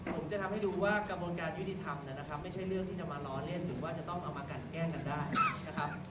ผมจะทำให้รู้ว่ากระบวนการยุติธรรมนะครับไม่ใช่เรื่องที่จะมาล้อเล่นหรือว่าจะต้องเอามากันแกล้งกันได้นะครับ